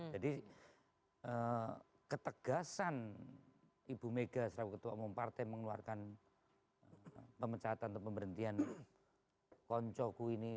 jadi ketegasan ibu mega sebagai ketua umum partai mengeluarkan pemecatan atau pemberhentian konco ku ini mas budiman ini